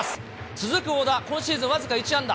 続く小田、今シーズン僅か１安打。